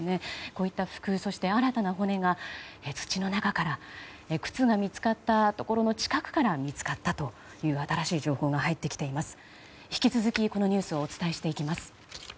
こういった服、そして新たな骨が土の中から靴が見つかったところの近くから見つかったという新しい情報が入ってきています。